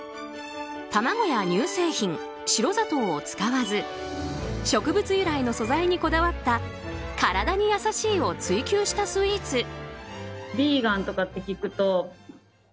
卵や乳製品、白砂糖を使わず植物由来の素材にこだわった体に優しいを追求したスイーツ。